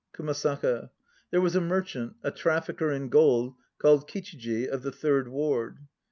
KUMASAKA. There was a merchant, a trafficker in gold, called Kichiji of the Third Ward.